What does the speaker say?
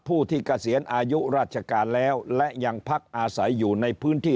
ผู้ที่เกษียณอายุราชการแล้วและยังพักอาศัยอยู่ในพื้นที่